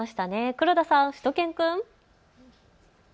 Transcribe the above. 黒田さん、しゅと犬くん。